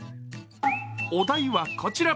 お題は、こちら。